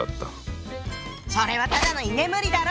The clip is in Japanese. それはただの居眠りだろ！